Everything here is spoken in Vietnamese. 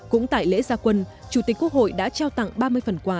cũng tại lễ gia quân chủ tịch quốc hội đã trao tặng ba mươi phần quà